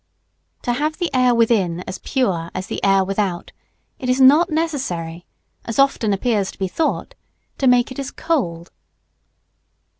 To have the air within as pure as the air without, it is not necessary, as often appears to be thought, to make it as cold.